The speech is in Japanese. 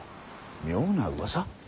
妙なうわさ？